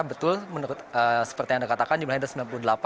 betul seperti yang anda katakan di malam seribu sembilan ratus sembilan puluh delapan